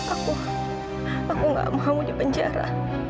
aku aku gak mau nyobanjara